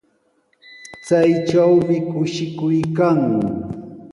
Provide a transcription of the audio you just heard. Chaytrawmi kushikuy kan.